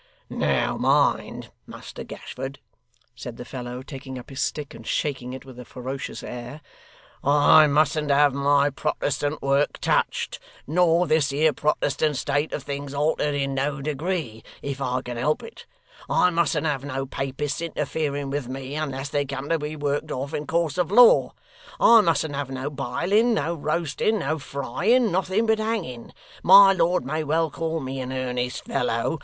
Now mind, Muster Gashford,' said the fellow, taking up his stick and shaking it with a ferocious air, 'I mustn't have my Protestant work touched, nor this here Protestant state of things altered in no degree, if I can help it; I mustn't have no Papists interfering with me, unless they come to be worked off in course of law; I mustn't have no biling, no roasting, no frying nothing but hanging. My lord may well call me an earnest fellow.